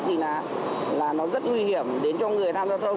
thì là nó rất nguy hiểm đến cho người tham gia giao thông